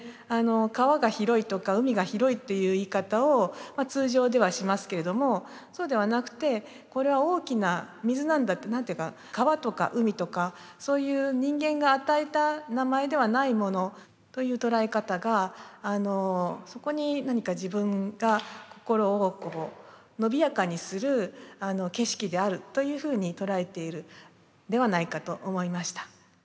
川が広いとか海が広いっていう言い方を通常ではしますけれどもそうではなくてこれは大きな水なんだって何て言うか川とか海とかそういう人間が与えた名前ではないものという捉え方がそこに何か自分が心を伸びやかにする景色であるというふうに捉えているんではないかと思いました。